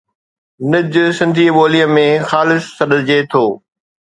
نج سنڌي ٻوليءَ ۾ خالص سڏجي ٿو.